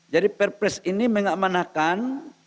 jadi perpres ini mengakmanakan